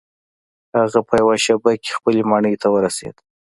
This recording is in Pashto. هغه په یوه شیبه کې خپلې ماڼۍ ته ورسید.